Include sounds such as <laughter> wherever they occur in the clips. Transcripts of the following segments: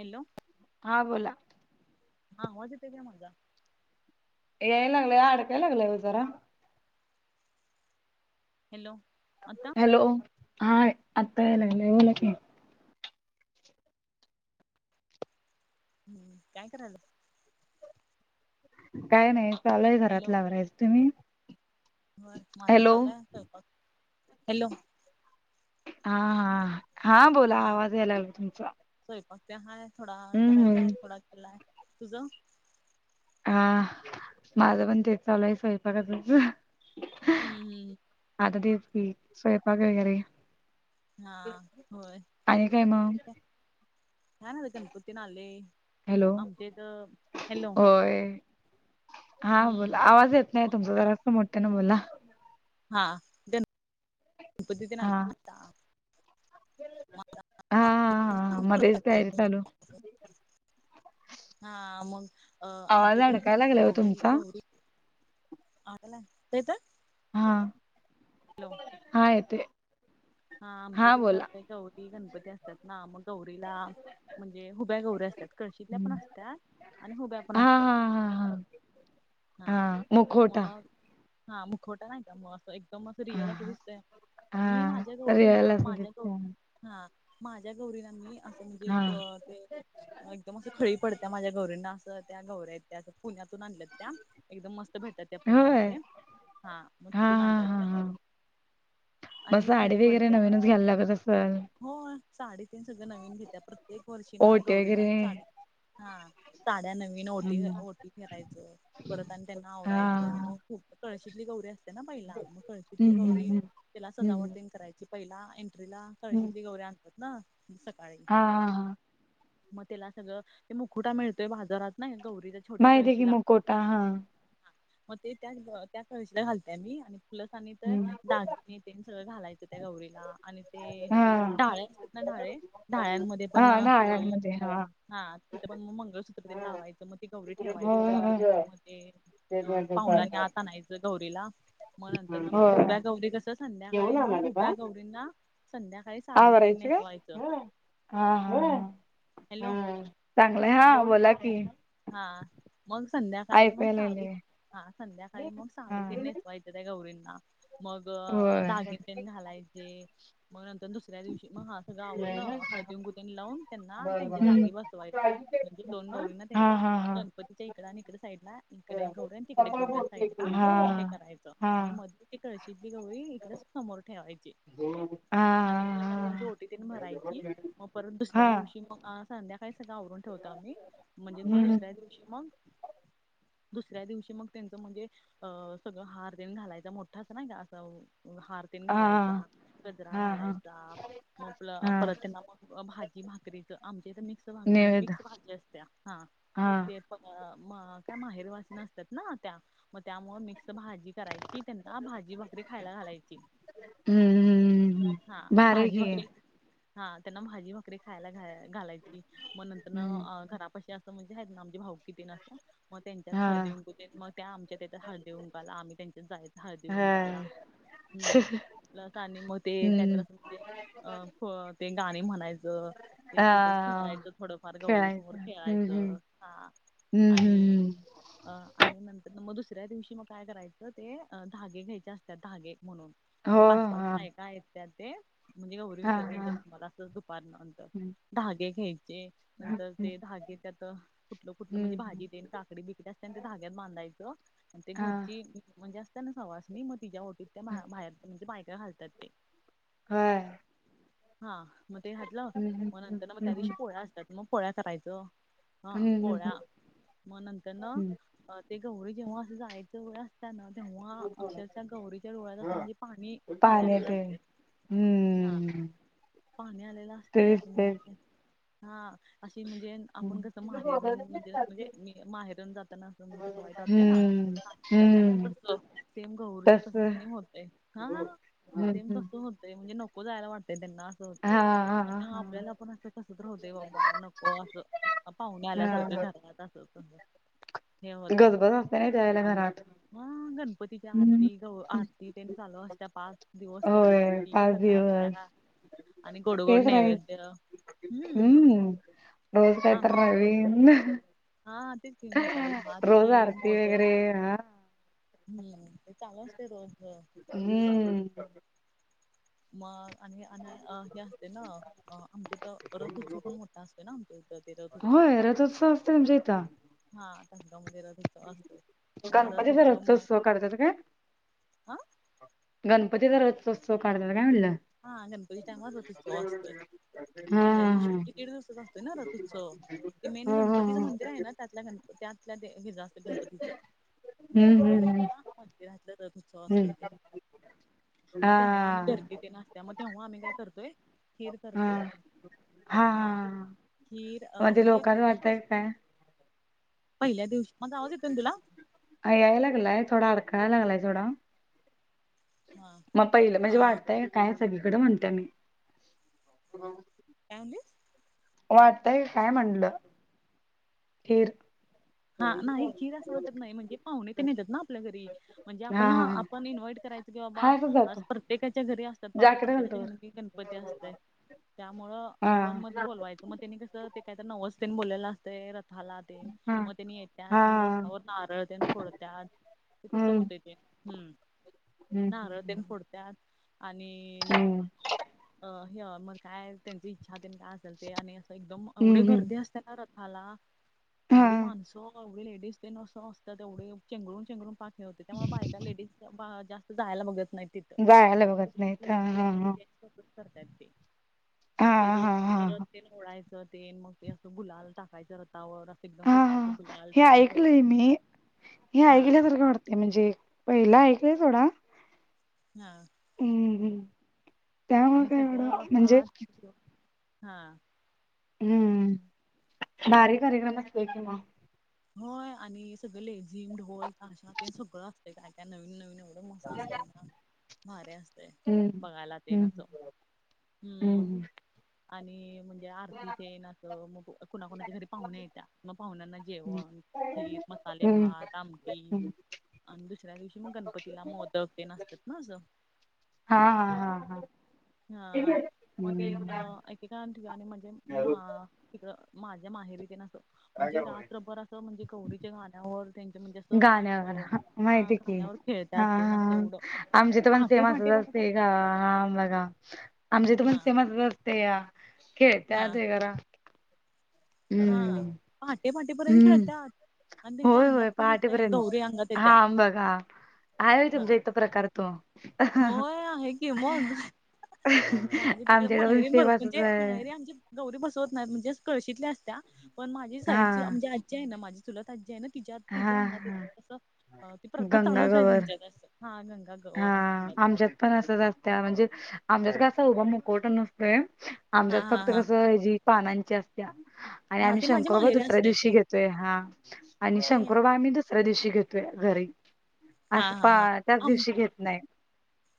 Hello हा बोला हां आवाज येते काय म्हटलं याय लागला अडकलाय लागलाय ओ जरा हॅलो आता हॅलो हा आता या लागला बोला की काय करायल्या काय नाही चालुय हॅलो घरातल आवरायच तुम्ही होय माझा हॅलो चालला स्वयंपाक हॅलो हा हा हा बोला आवाज या लागला तुमचा स्वयंपाक ते हाय थोडा हम्म करायचा हम्म. आहे थोडा केलाय तुझ हा माझ पण ते चालुय स्वयंपाकच हम्म हम्म आता ते की स्वयंपाक वगैरे हा होय आणि काय काय नाही गणपती वुन आले हॅलो आमच्या इथं हॅलो होय हा हम्म बोला आवाज येत नाही मग तुमचा जरा अस मोठ्या न बोला हा ग गणपती <inaudible> हा हा ह मग मध्येच तयारी चालु हा मग अ आवाज आमच्या इकडे कस अडकाय असतय लागलाय ओ गौरी तुमचा गौरी आग लागते तर हा हा येते हा आमचे बी इथ चालते गौरी गणपती असतात ना मग गौरीला म्हणजे हुब्या गौरी असतात कळशीतल्या पण असतात आणि हुब्या पण हा हा असतात- हा हा हा मुखवटा मग हा मुखवटा नाही बा अस एक एकदम हा रियल अस हा दिसतय मी माझ्या हा गौरी ना रियाला माझ्या सुद्धा गौरी हा माझ्या गौरीना मी अस म्हणजे हा ते एकदम अस खळी पडत्या माझ्या गौरीना अस त्या गौर्या त्या अस पुण्यातून आणल्यात त्या एकदम मस्त भेटतात त्या होय पुण्यामध्ये हा मग तीथुन हा आणल्या हा त्या हा आणि खळी पडत्या घ्याल लागत अस हा <unintelligible> हो साडी त सगळे नवीन घेत्या प्रत्येक वर्षी ना ओटी गौरीना वगैरे साड्या हा साड्या नवीन ओटी हम्म. ओटी भरायच परत आणि त्यांना हा आवरायच मग खुप कळशीतली गौरी असते ना पहिला मग कळशीतली हम्म हम्म गौरी हम्म त्याला हम्म सजावटतीन करायची पहिला एंट्रीला हम्म कळशीतली गौरी आणतात ना सकाळी हा हा हा मग त्याला सगळं ते मुकुटा मिळतोय बाजारात ना गौरी छोट्या माहिती आहे की कळशीला मुखवटा हा ह मग ते त्या त्या कळशीला घालतेय मी आणि फलस आणि तर हम्म दागिने ते सगळं घालायचं त्या गौरीला आणि ते हा ढाळे असतात ना ढाळे ढाळ्यांमध्ये पण हा नाळ्यांमध्ये हा तिथं पण मग मंगळसूत्रतीने लावायचं मग ती गौरी होय ठेवायची होय मग ते अं पावुलाने आता आणयचं गौरीला मग नंतर ना मग ते होय हुब्या गौरी कस संध्याकाळी मग हुब्या गौरींना संध्याका आवरायचं का हा हॅलो ह चांगलंय हा बोला की हा मग संध्याकाळी मग ऐकाय साडी लागले हा संध्याकाळी मग हा साडी ते नेसवायची त्या गौरींना मग होय दागीने तेन घालायचे. मग नंतर दुसऱ्या दिवशी मग हा सगळं आवरलं हळदीन कुकूं लावून त्यांना त्यांच्या हम्म जागी बसवायचं. म्हणजे दोन गौरी ना हा त्यां हा हा गणपतीच्या इकड आणि इकडे साईड ला इकडे गौरा आणि हा तिकडे गौऱ्या साईड ला हे हा करायचं हा आणि मध्ये ती कळशीली गौरीइकडच समोर ठेवायची. हा आणि त्यांची ओटी त्यांनी भरायची मग परत हा दुसऱ्या दिवशी कि मग संध्याकाळी सगळं आवरून ठेवतो आम्ही म्हणजे मग हम्म दुसऱ्या दिवशी मग दुसऱ्या दिवशी मग त्यांचं म्हणजे अ सगळं हार तेन घालायच मोठा ना ग असं हार न हा घालायचा गजरा हा हा घालायचा म आपलं हा परत त्यांना मग भाजी भाकरीचं आमच्या इथ मिक्स भा म्हणजे नैवेद मिक्स भाजी असत्या हा हा ते काय माहेरवासी न असतात ना त्या मग त्यामुळ मिक्स भाजी करायची त्यांना भाजी भाकरी खायला घालायची हम्म हम्म हा भारी आहे भाजी की भाकरी हा त्यांना भाजी भाकरी खायला घालायची मग नंतर हम्म घरापाशी असं म्हण नामजे भाऊ किती असं मग त्यांच्यात हा हळदी कुंकू तेन मग त्या आमच्या त्याच्यात हळदी कुंकूला आम्ही त्यांच्यात जायच हळदी कुंकूवाला हा हम्म प्लस आणि म ते हम्म <unintelligible> मध्ये अ ते गाणी म्हणायचं ते हा तिथंच खेळायचं थोडंफार गौरीवी समोर खेळायचं हम्म खेळायचं. तर हम्म हा हम्म आणि हम्म हम्म अ आणि नंतर मग दुसऱ्या दिवशी मग काय करायचं ते धागे घ्यायचे असतात धागे म्हणून हो मग पाच पाच हा बायका येत्यात ते म्हणजे गौरी हा हा विसर्जनच्या कामाला असंच दुपारनंतर हम्म धागे घ्यायचे नंतर हम्म ते धागे त्यात कुटलं कुटलं म्हणजे हम्म भाजी तेन आणि काकडी बिकडी असते आणि ते धाग्यात बांधायचं आणि ते हा घरची म्हणजे त्यां सहवास मग तिच्या ओटीत त्या बाहेर म्हणजे बायका घालतात ते हा हा मग ते घातलं हम्म हम्म मग नंतर ना मग हम्म त्या हम्म दिवशी पोळ्या असतात मग पोळ्या करायचं. हा हम्म हम्म पोळ्या हम्म मग नंतर न हम्म. ते गौरी जेव्हा असं जायचं बघा ना तेव्हा अक्षरशः गौरीच्या डोळ्यात असं म्हणजे पाणी पाणी आलेलं असते. हा हम्म पाणी आलेला असतय तेच असं तेच म्हण हा अशी म्हणजे आपण कसं माहेरून म्हणजे म्हणजे माहेरून जाताना अस म्हणजे कसं वाईट वाटतेय ना हम्म जाताना हम्म तस सेम गौरीचे तस सेम होतय हा सेम हम्म तसं होतय म्हणजे नक जायला वाटते त्यांना असं होते हा हा आणि हा आपल्याला पण असं कसत राहते बाबा नको असं पाहुणे आल्यासारखं हा घरात असतज गजबज असते नाही त्यायला घरात मंगण पतिच्या हम्म आरती ग आरती त्यांनी चालू असत पाच दिवस तरी होय आरती पाच सकाळ दिवस संध्याकाळ आणि गोडगोड तेच राहील नैवेद्य हम्म हम्म रोज कायतर नवीन हाा तेच मसाले भात रोज खीर आरती मोदक वगैरे हा हम्म ते चालू असतय रोजच हम्म मग आणि अ हे असते ना आमच्याथ रथउत्सव पण मोठा असत ते ना तेततेन होय रथोत्सव असते तुमच्याइथ हा संगाव मध्ये रथउत्सव असतोय. मग रथ गणपतीचा उत्सव मग रथउत्सव करतात काय हा गणपतीचा रथोत्सव करतात काय म्हणलं हा गणपती त्यामुळवा असतोय हा पहिल्या हा हा दिवशीजे दीड दिवसाचा असतय ना रथ उत्सव ते मेन हो हो गणपतीचं हो मंदिर आहे ना त्यातल्या त्यातल्यार गणपतीच मेन हम्म हम्म गणपतीचा मंदिरातलं रथोत्सव असत ते हम्म हा मग तेव्हा आणी गदीॅ त्यन असत्या मग तेव्हा आम्ही काय करतोय खीर करतोय. हा हा खीर अ मध्ये म्हणजे लोकांना पहिल्या वाटतय काय पहिल्या दिवशी माजा आवाज येतोय ना तुला ह यायला लागलाय थोडा अडकळायला लागलाय थोडा हा मग पहिलं म्हणजे अ वाढतय का काय सगळीकडे म्हणतय मी अ काय म्हणलीस वाटतय काय म्हटलं खीर हा नाही खिर असं वाटत नाही म्हणजे पाहुणे तेन येतात ना आपल्या घरी म्हणजे आपण हा ना हा हा आपण इन्व्हाइट करायच कि हा असच बाबा जातो प्रत्येकाच्या घरी असतात जाकेट घालतो प्रत्येकाच्या वर घरी गणपती असतय त्यामुळं हा आपण मग बोलवायचं मग त्यानी कसं ते काहीतर नवस त्यन बोललेलं असतंय रथाला ते. हा त्यांनी हा येत्यात रथावर नारळ त्यन फोडत्यात ते तसं हम्म होतय ते हम्म. नारळ तेन हम्म फोडत्यात आणि हम्म अ हे मग काय त्यांची इच्छा त्यन काय असत् ते आणि असं एकदम हम्म एवढे हम्म गर्दी असते ना रथाला. एवढी हा माणसं एवढी लेडीज त्यन असं असतात तेवढे चेंगरून चेंगरुन पार होते त्यामुळे बायका लेडीज जास्त जायला बघत नाहीत तिथं जायला बघत नाहीत करताय ते हा ते हा र हा रथ हा त्यन ओडायचं ते मग ते गुलाल टाकायचं रतावर अस हा हा हे ऐकलंय मी हे हा ऐकल्यासारख वाट ते म्हणजे पहिला ऐकलाय सोडा हा. हम्म हम्म. हे सगळं पाच हा. हम्म <inaudible> भारी कार्यक्रम असतोय त्याच्यामुळं होय आणि सगळं लेझीम, ढोल, ताशा ते सगळं असतंय. काय नवीन नवीन मस्त असतंय ना, भारी असतंय, हम्म बघायला हम्म <unintelligible> हम्म. आणि म्हणजे आरतीत ते ना असं मग कुणाकुणाच्या घरी पाहुण्या येत्या. मग पाहुण्यांना जेवण. खीर, मसाले हम्म भात, आमटी हम्म आणि दुसऱ्या दिवशी मग गणपतीला मोदक ते असतात ना असं. हा हा हा हा. हा. मध्ये हम्म एक <unintelligible> म्हणजे मा तिकडं माझ्या माहेरीत ना असं. म्हणजे ना वर असं म्हणजे गौरीच्या गाण्यावर म्हणजे असं अ गाण्यावर, हा माहिती की. गाण्यावर खेळतात हा तेन असं हा एवढं आमच्या इथं पण पहाटे पहाटे पण देवाचं <unintelligible> करतात हा बघा, आमच्या इथे पण हा सेमस असते या हा खेळत्यात वगैरा हा. हम्म पहाटे पहाटेपर्यंत हम्म राहतात. आणि त्यांच्या होय अंगात होय पण येतंय, पहाटेपर्यंत गौरी अंगात येत्या. हा बघा आहे हा तुमच्या इथे प्रकार तो? होय आहे की मग. माझे तिकडे आमच्याकडे पण माहेरी सेम असच म्हणजे आहे माहेरी आमची गौरी बसवत नाहीत. म्हणजे कळशीतल्या असत्या, पण माझी हा साईडची म्हणजे आजी आहे ना माझी चुलत आजी आहे ना, तिच्या हा तिच्या अंगात हा येतात तसं ती प्रथा चालूच आहे गंगागवर त्यांच्या घरचं, हा गंगा गर हा आमच्यात पण असत्या. म्हणजे आमच्या का असा उभा मुकवटा नसतोय हा आमच्यात हा फक्त हा कसं ह जी पानांची असत्या आणि हा आम्ही ते माझ्या शंकुबा माहेरी दुसऱ्या असतंय दिवशी ते घेतोय हा. ते शंकुबा आम्ही दुसऱ्या दिवशी घेतोय घरी, हा असं हा पा हा त्याच आम दिवशी घेत नाही.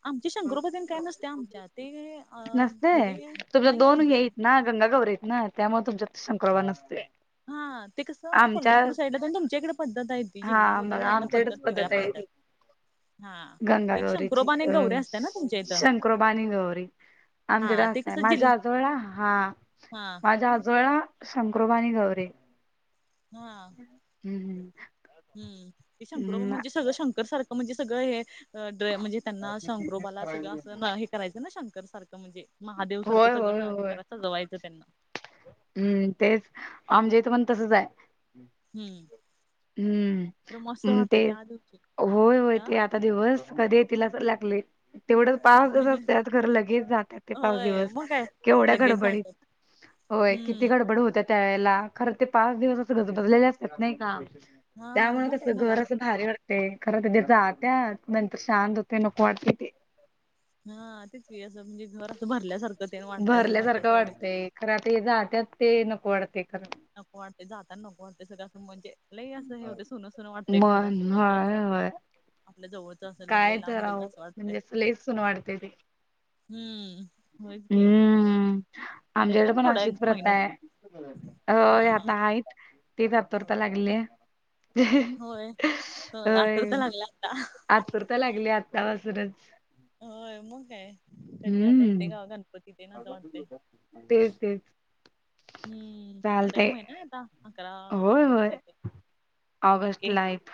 आमचे शंकरोबा तेन काय नसते आमच्या ते अ <inaudible> नसते. म्हणजे तुमला नाही दोन घई आमच्या ना गंगागौरीेत ना, त्यामुळे तुमच्यात शंकुबा नसतोय. हा ते कसं आमच्या कोल्हापूर साईडला, आणि तुमच्या इकडे पद्धत आहे. ती जिल्हा हा. मग बदलला ना आमच्या इकडेच वेगळ्या पद्धत आहे पडतात ती. हा <inaudible> गंगा एक गौरीची शंकरोबा आणि एक अ गौरी असत्या ना तुमच्या इथं शंकुरबा आणि गौरी. आमच्याकडे हा ते आसतात. कसं जिल माझ्या आजोळा हा. हा माझ्या आजोळा शंकरोबा आणि गौरी. हा. हम्म हम्म. हम्म. ते शंकरोबा म्हणजे सगळं शंकर सारखं म्हणजे सगळं हे, म्हणजे त्यांना शंकरोबाला सगळं असं हे करायचं ना, शंकर सारखं म्हणजे महादेव सारखं होय सगळं होय न हे करायच. सजवायचं त्यांना हम्मं, तेच आमच्या इथं पणं तसचं हाय. हम्म हम्मं. तर मस्त म ते वाटतं त्या दिवशी होय, होय हा ते आ आता दिवस कधी येतील असं लागलयं. तेवढं पाच दिवस असत्यात, खरं लगेच जात्यात ते पाच होय दिवस. मग काय केवढ्या लगेच गडबडीत जातात बाई किती हम्म गडबड होते त्या याला. खरचं ते पाच दिवस असं गजबजलेले असतात. नाही का? हा त्यामुळे मग काय कसं घर घरात असं भारी वाटत ते. खरं ते जात्यात नंतर शांत होते नको वाटते ते. हा तेच की, असं म्हणजे घर असं भरल्यासारखं ते वाटतंय असं मज्जा भरल्यासारखं तेवढीच वाटतंय खरं आता हे जात्यात ते नको वाढतेय खरं. नको वाटतयं जाताना नको वाटतयं सगळं असं म्हणजे. लयं असं हे होतयं सुनं सुनं वाटतयं घर मन असं कोण होय तर. होय. आपल्या जवळचं असेलं तर काय लयं लांब गेलं आहो असं वाटतयं. म्हणजे असं लईच सून वाटते ते. हम्मं, होयचं की, हम्म. येता आमच्याकडे ना पण थोडा एक आशीचं प्रथा महिन्यात. आहे. हा होय हा आता आहेत. तेचं आतुरता लागलीया होय होय आठव तर होयं. लागला आता आतुरता लागलीया आत्तापासूनचं. होय मगं काय. कधी आता येते हम्म. ग गणपती तेनं असं वाटते. तेच तेच हम्मं, आता एक चालतय महिना आहे. आता अकरा ऑगस्ट. ओके. ऑगस्टलायंत.